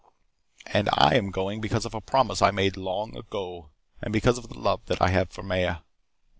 And I am going because of a promise I made long ago, and because of the love that I have for Maya.